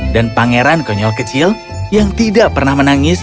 dan pangeran konyol kecil yang tidak pernah menangis